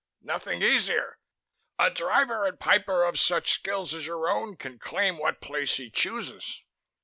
"Nothing easier. A Driver and Piper of such skills as your own can claim what place he chooses."